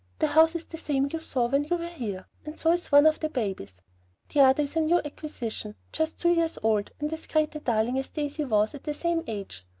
The house is the same house you saw when you were here, and so is one of the babies; the other is a new acquisition just two years old, and as great a darling as Daisy was at the same age.